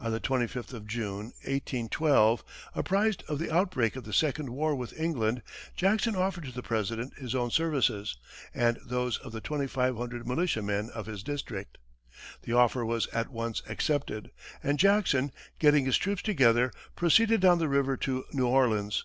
On the 25th of June, 1812, apprised of the outbreak of the second war with England, Jackson offered to the President his own services and those of the twenty five hundred militia men of his district. The offer was at once accepted, and Jackson, getting his troops together, proceeded down the river to New Orleans.